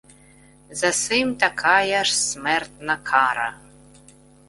За сим такая ж смертна кара